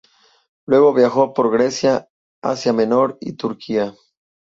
Luego viajó por Grecia, Asia menor y Turquía.